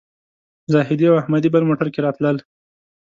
زاهدي او احمدي بل موټر کې راتلل.